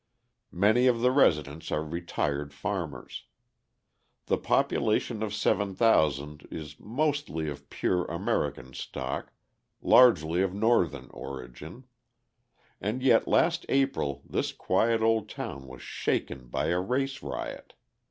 Many of the residents are retired farmers. The population of 7,000 is mostly of pure American stock, largely of Northern origin. And yet last April this quiet old town was shaken by a race riot.